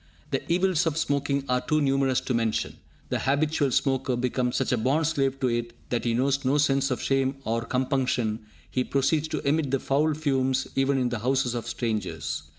The evils of smoking are too numerous to mention. The habitual smoker becomes such a bond slave to it that he knows no sense of shame or compunction; he proceeds to emit the foul fumes even in the houses of strangers!